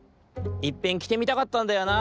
いっぺんきてみたかったんだよな。